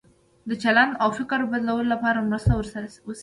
د چلند او فکر بدلولو لپاره مرسته ورسره وشي.